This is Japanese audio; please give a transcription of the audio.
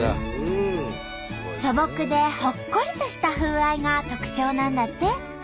素朴でほっこりとした風合いが特徴なんだって！